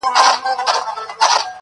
د طالع ستوری یې پټ دی بخت یې تور دی!.